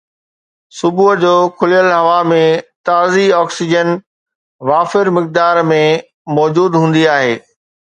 صبح جو کليل هوا ۾ تازي آڪسيجن وافر مقدار ۾ موجود هوندي آهي